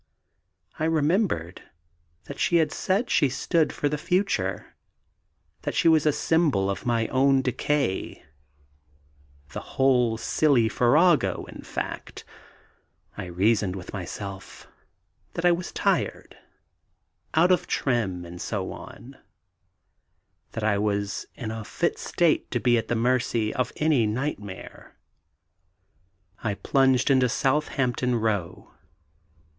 I remembered that she had said she stood for the future, that she was a symbol of my own decay the whole silly farrago, in fact. I reasoned with myself that I was tired, out of trim, and so on, that I was in a fit state to be at the mercy of any nightmare. I plunged into Southampton Row.